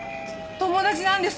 友達なんです！